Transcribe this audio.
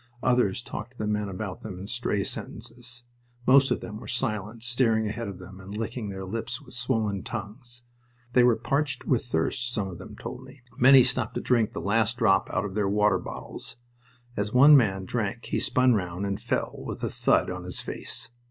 Others talked to the men about them in stray sentences. Most of them were silent, staring ahead of them and licking their lips with swollen tongues. They were parched with thirst, some of them told me. Many stopped to drink the last drop out of their water bottles. As one man drank he spun round and fell with a thud on his face.